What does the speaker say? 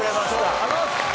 ありがとうございます。